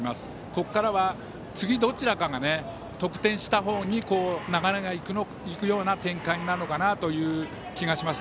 ここからは次にどちらかが得点した方に、流れが行くような展開になるかなという気がします。